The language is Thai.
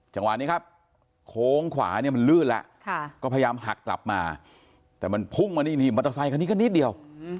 จังหวะนี้ครับโค้งขวาเนี่ยมันลื่นแล้วก็พยายามหักกลับมาแต่มันพุ่งมานี่มอเตอร์ไซคันนี้ก็นิดเดียว